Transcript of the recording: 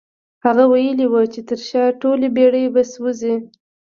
هغه ويلي وو چې تر شا ټولې بېړۍ به سوځوي.